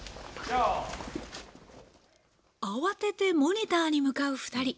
慌ててモニターに向かう２人。